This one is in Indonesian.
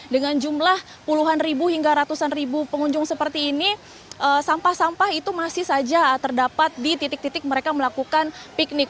dengan jumlah puluhan ribu hingga ratusan ribu pengunjung seperti ini sampah sampah itu masih saja terdapat di titik titik mereka melakukan piknik